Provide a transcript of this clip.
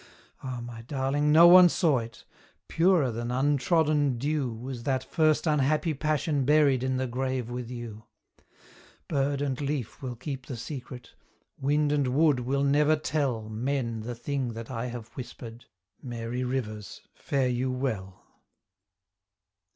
Ah, my darling! no one saw it. Purer than untrodden dew Was that first unhappy passion buried in the grave with you. Bird and leaf will keep the secret wind and wood will never tell Men the thing that I have whispered. Mary Rivers, fare you well!